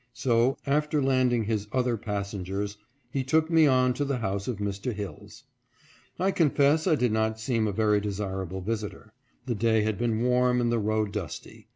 So, after landing his other passengers, he took me on to the house of Mr. Hilles. I confess I did not seem a very desirable visitor. The day had been warm and the road dusty.